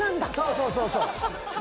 そうそうそう。